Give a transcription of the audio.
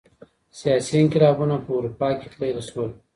سیاسي انقلابونه په اروپا کي پیل سول.